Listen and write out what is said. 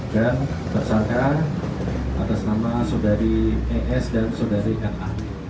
dan tersangka atas nama saudari es dan saudari na